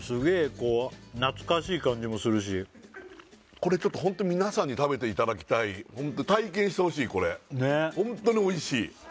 こう懐かしい感じもするしこれちょっとホント皆さんに食べていただきたい体験してほしいこれ本当に美味しい